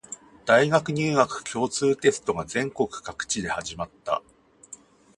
大学入学共通テストが全国各地で始まった